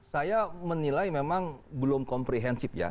saya menilai memang belum komprehensif ya